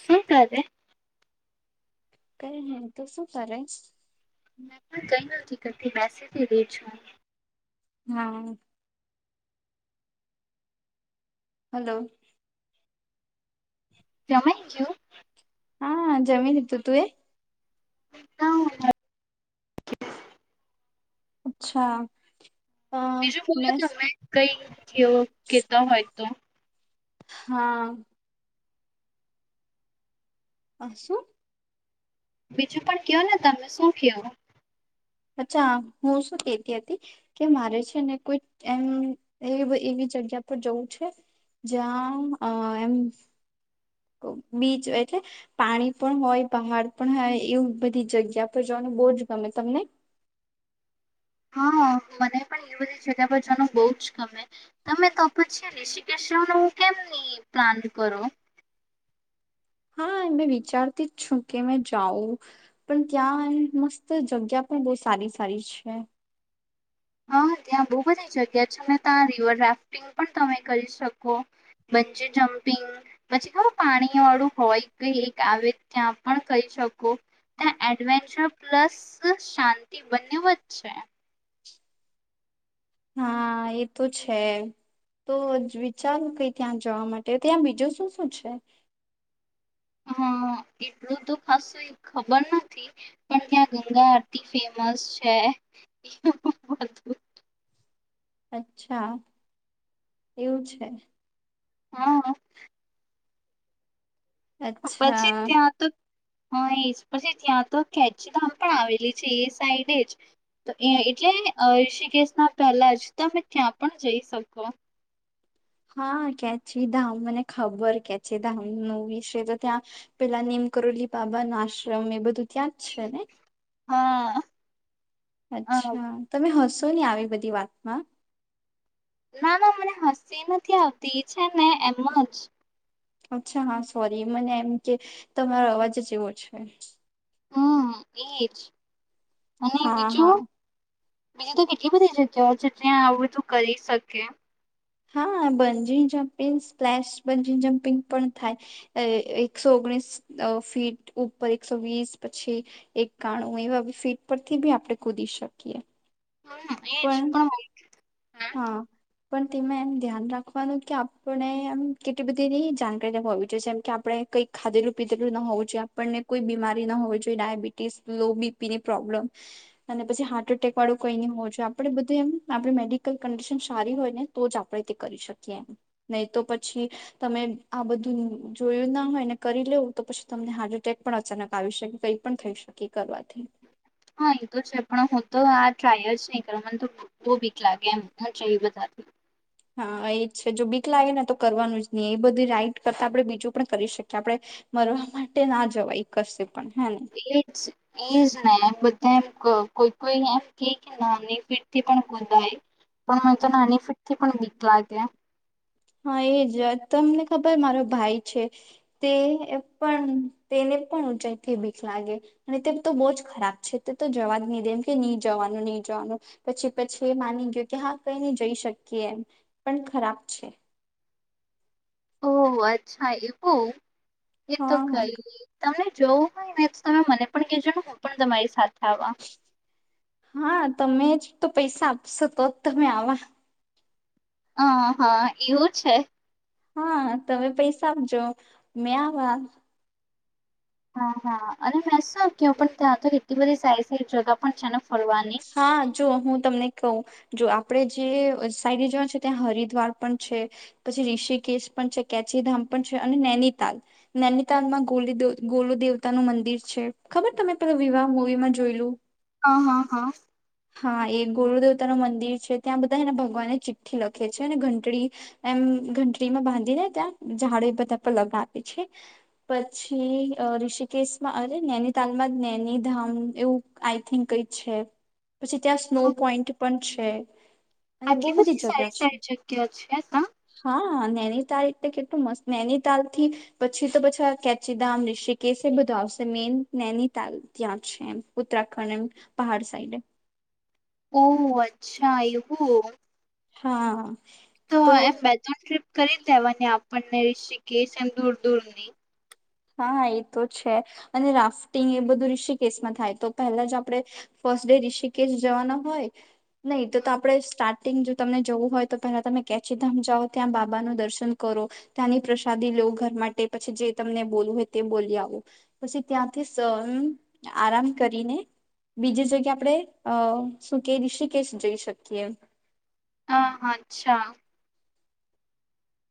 શું કરે કઈ નઈ તો શું કરશ મે પણ કઈ નથી થી બાસીથી રી છું. હા. હલો. જમાઈ ગ્યું? હા જમી લીધું. તુએ? [inaudible] અચ્છા. અ બીજું મેં બોઈતો હોય [unintelligible] કેતા હોય તો હા. અહસો? બીજું પણ કયો ને તમે શું કેવ? અચ્છા. હું શું કેતી હતી કે મારે છે ને કોઈ એમ એ-એવી જગ્યા પર જવું છે જ્યાં અ-એમ બીચ એટલે પાણી પણ હોય, પહાડ પણ હોય એવું બધી જગ્યા પર જવાનું બો જ ગમે. તમને? હા, મને પણ એ બધી જગ્યા પર જનું બો જ ગમે. તમે તો પછી રિષિકેષ્ણનું કેમ ની પ્લાન કરો? હા એ મેં વિચારતી જ છું કે મેં જાઉ પણ ત્યાં એમ મસ્ત જગ્યા પણ બો સારી-સારી છે. હા, ત્યાં બો બધા જગ્યા છે ને તા રિવર રાફ્ટિંગ પણ તમે કરી શકો. બંજી જમ્પિંગ પછી ખબ પાણી વાળું હોય કઈ એક આવે ત્યાં પણ કઈ શકો. ત્યાં એડવેન્ચર પ્લસ શાંતિ બંનેવ જ છે. હા, એ તો છે. તો જ વિચારૂ કઈ ત્યાં જવા માટે. ત્યાં બીજું શું શું છે? હન્ન. એટલું તો ખાસુંય ખબર નથી. પણ ત્યાં ગંગા તી ફેમસ છે. એવું પણ બધું અચ્છા. એવું છે. હા. અચ્છા પછી ત્યાં તો હા એજ. પછી ત્યાં તો કેચીધામ પણ આવેલી છે એ સાઈડે જ. તો એ એટલે અ ઋષકેેશ ના પહેલા જ. તમે ત્યાં પણ જઈ શકો. હા, કેચીધામ મને ખબર કેચીધામનો વિશે તો ત્યાં પેલા ને એમ કરોલીબાબાનો આશ્રમ એ બધું ત્યાં જ છે ને? હા અ અચ્છા તમે હશો. શુંની આવી બધી વાતમાં ના ના મને હસી નથી આવતી છે ને એમ જ. અચ્છા હા સોરી મને એમ કે તમારો અવાજ એવો છે હમ એજ અને હા હા બીજું? બીજી તો કેટલી બધી જગ્યાઓ છે ત્યા આવું તું કરી શકે. હા બંજી જમ્પિંગ સ્પલેશ બંજીિંગ જમ્પિંગ પણ થાય એકસો ઓગણીસ ફીટ ઉપર એકસો વીસ પછી એક કાણું એવા ફીટ પરથી બી આપણે કૂદી શકીએ. હમ પણ એજ પણ. હું હા. પણ તેમાં એમ ધ્યાન રાખવાનું કે આપણે એમ કેટલી બધી જાણકારી હોવી જોઈએ જેમ કે આપણેે કંઈક ખાધેલું પીધેલું ના હોવું જોઈએ આપણને કોઈ બીમારી ના હોવી જોઈએ ડાયાબિટીસ લો બીપી ની પ્રોબ્લેમ અને પછી હાર્ટ એટેક વાળું કઈ ન હોવું જોઈએ આપે બધું એમ આપણે મેડ કઈ કંડિશન સારી હોય ને તો જ આપણેે તે કરી શકીએ એમ નહી તો પછી તમે આ બધું જોયું ના હોય ને કરી લેવું તો પછી તમને હાર્ટ એટેક પણ અચાનક આવી શકે કઈ પણ થઈ શકે. કરવાથી હા એ તો છે પણ તો આ ટ્રાય જ નહી કરો મને તો બહુ વીક લાગે એમ બધા થી હા એજ છે જો બીક લાગે ને તો કરવાનું જ નહી એ બધી રાઈટ કરતા આપડે બીજું પણ કરી શકીએ આપડે મરવા માટે ના જવા કશે પણ હેને એજ એજ ને બધ કોઈ કોઈ એમ કે કે નાની ફીરથી પણ ગોંધાય. પણ મેં તો નાનીફિટ થી પણ કે લાગે હા એ જ તમને ખબર મારો ભાઈ છે તે પણ તેને પણ ઊંચાઈથી બિખ લાગે અને તે તો બહુ જ ખરાબ છે તે તો જવા જ નહી દે એમ કે નહી જવાનું નહી જવાનું પછી પછી એ માની ગયો કે હા કઈ ન જઈ શકીએ એમ પણ ખરાબ છે. ઓહ અચ્છા એ હો. એ તો હા કઈ ની તમને જોવું હોય ને તો તમે મને પણ કહેજો ને હું પણ તમારી સાથે છુ હા તમે જ તો પૈસા આપશો તો જ તમે આવા હ હા એવું છે. હા તમે પૈસા આપજો મેં આવા. હા હા અને મે શું ક પણ ત્યાં તો એટલી બધી સારી સારી જગા પણ છે ફરવાની. હા જો હું તમને કહું. જો આપણે જે સાઈડ જવાનું છે ત્યાં હરિદ્વાર પણ છે પછી ઋષિકેશ પણ છે કેચીધામ પણ છે અને નૈનીતાલ નૈનીતાલમાં ગોલી ગોલુ દેવતા નું મંદિર છે ખબર તમે પેલા વિવાહ મુવીમાં જોયલું. હ હા હા. હા એ ગુરુદેવતા ન મંદિર છે ત્યાં બધા એને ભગવાનને ચિઠ્ઠી લખે છે અનેને ઘંટડી એમ ઘંટડીમાં બાંધીને ત્યાં ઝાડે બધા પર લગાવે છે પછી ઋષિકેશમાં અરે નૈનીતાલમાં નૈનીધામ એવું આઈ થિક કઈ છે. પછી ત્યાં સ્નો પોઈન્ટ પણ છે અને બહુ આટલી બધી જગ્યા સારી છે સારી જગ્યા છે તા હા નૈનીતાલ એટલે કેટલું મસ્ત નૈનીતાલ થી પછી તો પછા કેચીધામ ઋષિકેશ એ બધું આવશે મેઈન નૈનીતાલ ત્યાં છે એમ ઉત્તરાખંડ એમ પહાડ સાઈડ ઓહ અચ્છા એવુ. હા. તો એમ બે ત્રણ ટ્રીપ. કરી દેવાની આપણને રિ ક છે એમ દૂર દૂર નની હા એ તો છે અને રાફ્ટિંગ એ બધું ઋષિકેશમાં થાય તો પહેલા જ આપડણે ફર્સ્ટ ડે ઋષિકેશ જવાના હોય. નહીં તો આપડે સ્ટાર્ટ જો તમને જવું હોય તો પેલા તમે કેચીધામ જાઓ ત્યાં બાબા ન દર્શન કરો ત્યાંની પ્રસાદી લવ ઘર માટે પછી જે તમને બોલું હોય તે બોલી આવું પછી ત્યાંથી આરામ કરીને બીજી જગ્યા આપણે શું કે રિશી કેશ જઈ શકીએ. હા હા અચ્છા.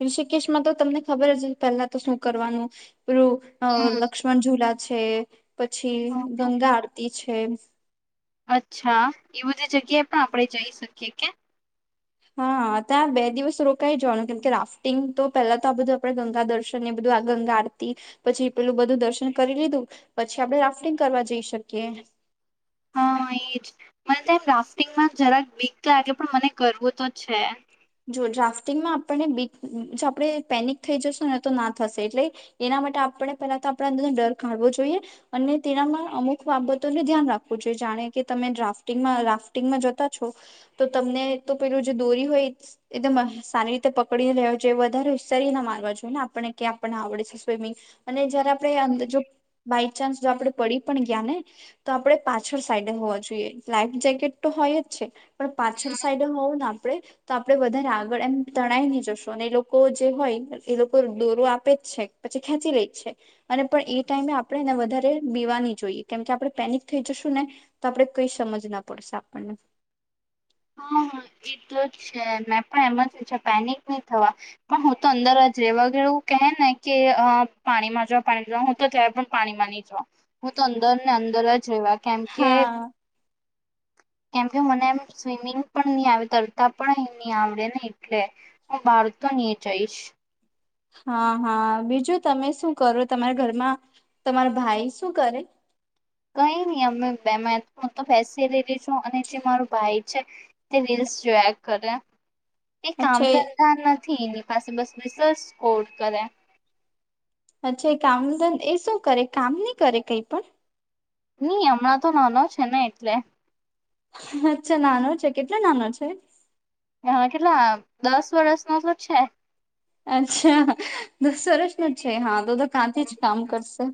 ઋષિકેશમાં તો તમને ખબર છે પેલા તો શું કરવાનું. પેલું હમ લક્ષ્મણ ઝુલા. છે. પછી હમ. ગંગા આરતી છે. થેમસ અચ્છા એ બધી જગ્યાએ પણ આપણે જઈ શકીએ કે હા ત્યાં બે દિવસ રોકાઈ જવાનું કેમ કે રાફ્ટિંગ તો પેલા તો આ બધું આપણે ગંગા દર્શન એ બધું આ ગંગા આરતી પછી પેલું બધું દર્શન કરી લીધું પછી આપડણે રાફ્ટિંગ કરવા જઈ શકીએ. હા એજ મને તોમ રાફ્ટિંગમાં જરાક બીક લાગે પણ મને કરવું તો છે. જો ડ્રાફ્ટિંગમાં આપણને બી આપણે પેનિક થઈ જશુ ને તો ના થશે એટલે એના માટે આપને પહેલા તો આપણા અંદરનો ડર કાઢવો જોઈએ અને તેનામાં અમુક બાબતોને ધ્યાન રાખવું જોઈએ જાણે કે તમે ડ્રાફ્ટિંગમાં રાફ્ટિંગમાં જતા છો તો તમને તો પેલું જે દોરી હોય એકદમ સારી રીતે પકડી રહ્યો જોઈએ વધારે ઉસારી ના મારવા જોઈએ ને આપણને કે આપણને આવડે છે સ્વમિંગ અને જયારે આપણે અંદ જો બાઈક ચાન્સ જો આપડે પડી પણ ગયા ને તો આપડે પાછળ સાઈડે હોવા જોઈએ લાઈફ જેકેટ તો હોય જ છે. પણ પાછળ સાઈડે હોવું આપણે તો આપણે વધારે આગળ એમ તણાઈ ની જશું અને એ લોકો જે હોય એ લોકો દોરો આપે જ છે પછી ખેંચી લે જ છે અને પણ એ ટાઈમે આપણે એને વધારે પીવાની જોઈએ કેમકે આપણે પેનિક થઈ જશું ને તો આપણે કઈ સમજ ના પડશે આપણને હા હ એતો છે મેં પણ એમાં છે પેનિક નહી થવા પણ હું તો અંદર જ રહેવા એવું કહે ને કે પાણીમાં જો પાણીમાં જો હું તો જ પણ પાણી માં નહી જો હું તો અંદર ને અંદર જ જોવા કેમ કે હા કેમ કે મને એમ સ્વિમિંગ પણ ની આવે તરતા પણ એ નહી આવડે નહી એટલે હું બાળ તો હી જઈશ હા હા બીજું તમે શું કરો તમારા ઘરમાં તમારા ભાઈ શું કરે કઈ નહી અમે બે તો ફસી લી છું અને જે માર ભાઈ છે. તે રીલ્સ જોયા કરે એ કામ અચ્છા ધંધા નથી એ પાસે બસ બિસ સ્કોડ કરે અચ્છા એ કામ એ શું કરે કામ નહી કરે કઈ પણ ની હમણાં તો નાનો છે ને એટલે અચ્છા નાનો છે કેટલો નાનો છે. હા કેટલા દસ વર્ષ નો તો છે. અચ્છા દસ વર્ષનો જ છે હા કાથી જ કામ કરશે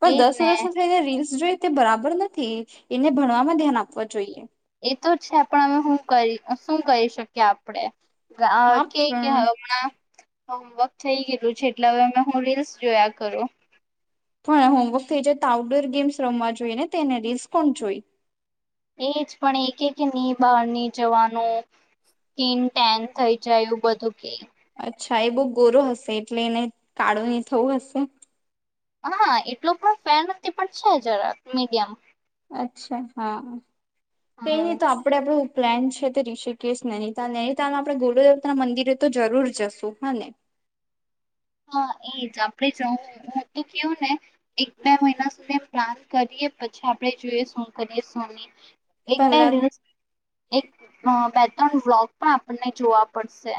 પણ એજ દસ ને વર્ષ થઈને રીલ્સ જોઈ તે બરાબર નથી એને ભણવામાં ધ્યાન આપવા જોઈએ એ તો છે પણ અમે શું કરી શું કરી શકીએ આપડે હા પણ કેકમણા હોમવર્ક થઈ ગયલું છે એટલે હવે અમે હું રીલ્સ જોયા કરું પણ હોમવર્ક થઈ જાય તો આઉટડોર ગેમ્સ રમવા જોઈએ ને તેને રીલસ કોણ જોઈ એજ પણ એક કે ની બહાર ની જવાનું ટીનટેન થઈ જાયું બધું કે અચ્છા એ બો ગોરો હશે એટલે એને કાળું નહી થવું હશે હા એટલો પણ ફેર નથી પણ છે જરા મીડિયમ અચ્છા હા કઈ હમ ની તો આપડે આપડે પ્લેન છે તે ઋષિકેશ નૈનીતાલ નૈનીતાલ આપણેે ગુરુદેવતા ના મંદિરે તો જરૂર જશું હા ને હા એ જ આપણેે જવું હું તો કેવું ને એક બે મહિના સુધી એ પ્લાન કરીએ પછી આપણે જોઈએ શું કરીએ સોની એક બે પહેલા દિવસ એક હ ત્રણ વ્લોગ પણ આપણને જોવા પડશે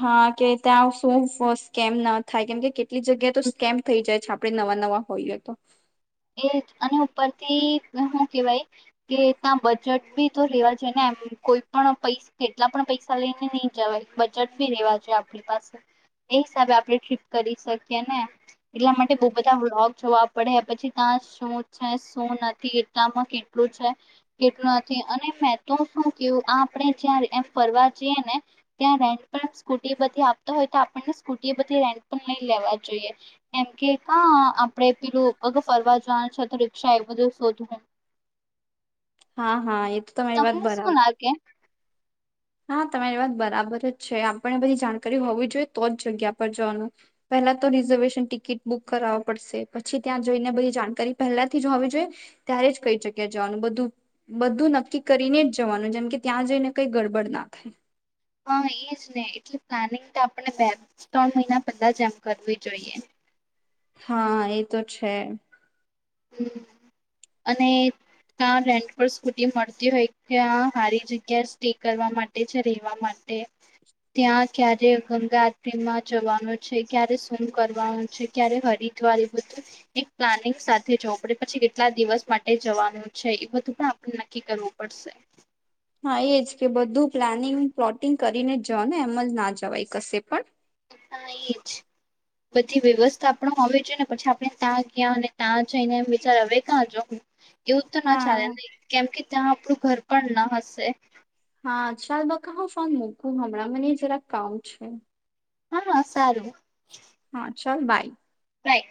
હા કે ત્યાં શું કેમ ના થાય કેમ કે એટલી જગ્યા તો સ્કેમ થઈ જાય છે. આપણે નવા નવા હોઈએ તો એ અને ઉપરથી શું કેવાય કે ત્યાં બજેટ બી તો રેવા જોઈએ ને એમ કોઈ પણ પૈ કેટલા પણ પૈસા લઈને નઈ જવાય બજેટ ભી રેવા જોઈએ આપણી પાસે એ હિસાબે આપડે ટપ કરી શકીએ ને એટલા માટે બઉુ બધા વ્લોગ જોવા. પડ્યા પછી. ત્યા શું છે શું નથી એટલામાં કેટલું છે. કેટલું નથી અને તો શું કું આ આપણે જ્યાં એમ ફરવા જઈએ ને ત્યાં રેન્ટ પણ સ્કૂટી બધી આપતો હોય તો આપણને સ્કૂટી બધી રેન્ટ પણ લઈ લેવા જોઈએ. એમ કે ક આપડે પેલું પગ ફરવા જનું છે તો રિક્ષા એ બધું શોધ હું હા હા એ તો તમારી વાત તમને શું બરાબર ના કે હા તમારી વાત બરાબર જ છે આપણને બધી જાણકારી હોવી જોઈએ તો જ જગ્યા પર જવાનું પહેલા તો રિઝર્વેશન ટિકિટ બુક કરાવ પડશે, પછી ત્યાં જઈને બધી જાણકારી પહેલાથી જ હોવી જોઈએ ત્યારે જ કઈ જગ્યા જવાનું બધું બધું નક્કી કરીને જ જવાનું જેમ કે ત્યાં જઈને કઈ ગડ બળના થાય. હા એજ ને એટલે પ્લાનિંગ તો આપણે બે ત્રણ મહિના પહેલા જ એમ કરવી જોઈએ. હા એ તો છે. અને ત્યાં રેન્ટ પર સ્કૂટી મળતી હોય ત્યાં હારી જગ્યા સ્ટે કરવા માટે છે રહેેવા માટે ત્યાં ક્યારે ગંગા આરમાં જવાનું છે ક્યારે સુમ કરવાનું છે ક્યારે હરિદ્વાર એ બધું એક પ્લાનિંગ જવું પડે પછી કેટલા દિવસ માટે જવાનું છે એ બધું પણ આપણે નક્કી કરવું પડશે. હા એજ કે બધું પ્લાનિંગ પ્લોટિંગ કરીને જઓ ને એમ જ ના જવાય કશે પણ ત એ જ બધી વ્યવસ્થા આપણે હોવી જોઈએ ને પછી આપણે ત્યાં ગયા અને ત્યાં જઈને એમ વિચાર હ કાં જો એવું તો ના હા ચાલે નહી કેમ કે ત્યાં આપું ઘર પણ ના હશે. હા ચાલ બકા હું ફોન મુૂકું હમણાં મને જરાક કામ છે. હા સારું. હા ચાલ બાય. બાય.